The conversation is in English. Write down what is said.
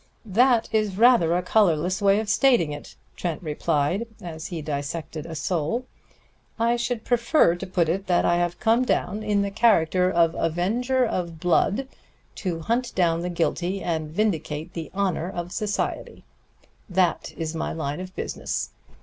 "That is rather a colorless way of stating it," Trent replied, as he dissected a sole. "I should prefer to put it that I have come down in the character of avenger of blood, to hunt down the guilty and vindicate the honor of society. That is my line of business.